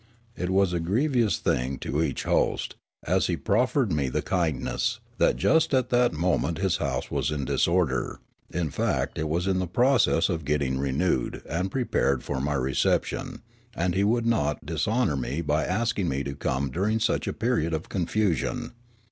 It was a grievous thing to each host, as he proffered me the kindness, that just at that moment his house was in disorder ; in fact it was in process of getting renewed and prepared for my reception, and he would not dishonour me by ask ing me to come during such a period of confusion.